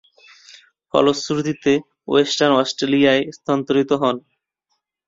ফলশ্রুতিতে ওয়েস্টার্ন অস্ট্রেলিয়ায় স্থানান্তরিত হন।